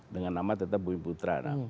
dengan nama tetap bumi putra